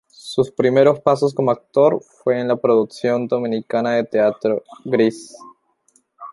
Sus primeros pasos como actor fue en la producción dominicana de teatro Grease.